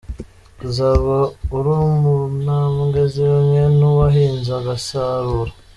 Uzaba uri mu ntambwe zimwe nuwahinze agasarura.